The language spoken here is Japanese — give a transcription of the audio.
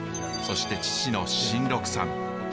そして父の新六さん。